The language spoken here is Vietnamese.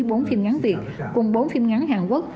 bốn phim ngắn việt cùng bốn phim ngắn hàn quốc